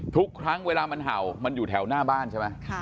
ทุกครั้งเวลามันเห่ามันอยู่แถวหน้าบ้านใช่ไหม